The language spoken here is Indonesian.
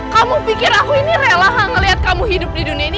kamu pikir aku ini rela ngeliat kamu hidup di dunia ini